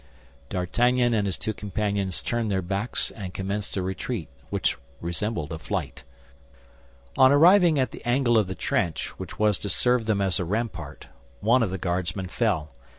D'Artagnan and his two companions turned their backs, and commenced a retreat which resembled a flight. On arriving at the angle of the trench which was to serve them as a rampart, one of the Guardsmen fell.